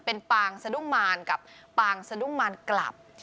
เป็นปางสะดุ้งมารกับปางสะดุ้งมารกลับ